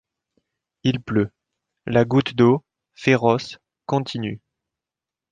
Il pleut ; la goutte d’eau, féroce, continue ;